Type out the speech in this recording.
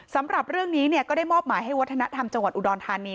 สำหรับเรื่องนี้ก็ได้มอบหมายให้วัฒนธรรมจังหวัดอุดรธานี